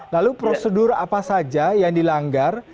lalu prosedur apa saja yang dilanggar